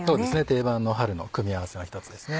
定番の春の組み合わせの一つですね。